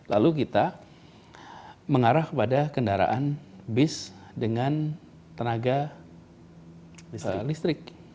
lalu kita mengarah kepada kendaraan bis dengan tenaga listrik